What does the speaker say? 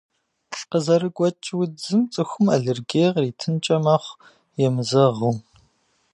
Къызэрыгуэкӏ удзым цӏыхум аллергие къритынкӏэ мэхъу, емызэгъыу.